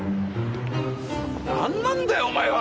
なんなんだよお前は！